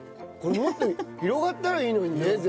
これもっと広がったらいいのにね